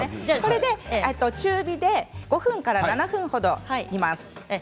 これで中火で５分から７分ほど煮ます。